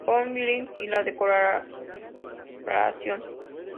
Von Wright y la derogación.